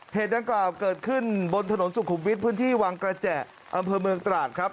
ดังกล่าวเกิดขึ้นบนถนนสุขุมวิทย์พื้นที่วังกระแจอำเภอเมืองตราดครับ